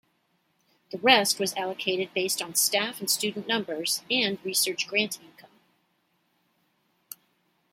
The rest was allocated based on staff and student numbers and research grant income.